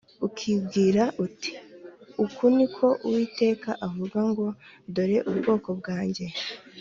ukibwire uti Uku ni ko Uwiteka avuga ngo Dore ubwoko bwanjye